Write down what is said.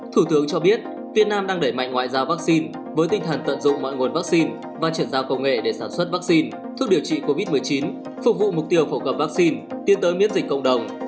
thủ tướng cho biết việt nam đang đẩy mạnh ngoại giao vắc xin với tinh thần tận dụng mọi nguồn vắc xin và chuyển giao công nghệ để sản xuất vắc xin thuốc điều trị covid một mươi chín phục vụ mục tiêu phổ cập vắc xin tiến tới miễn dịch cộng đồng